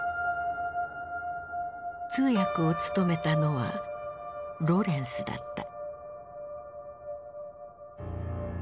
通訳を務めたのはロレンスだった。